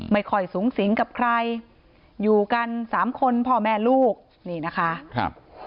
ไม่ค่อยสูงสิงกับใครอยู่กันสามคนพ่อแม่ลูกนี่นะคะครับ